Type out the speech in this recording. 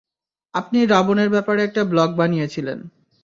আপনি রাবণের ব্যাপারে একটা ব্লগ বানিয়েছিলেন।